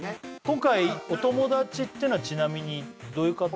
今回お友達っていうのはちなみにどういう方？